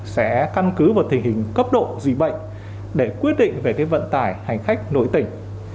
sẽ căn cứ vào tình hình cấp độ dùy bệnh để quyết định về cái vận tải hành khách nội tỉnh